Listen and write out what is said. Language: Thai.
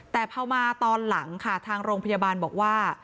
แต่พอมาตอนหลังค่ะทางโรงพยาบาลบอกว่า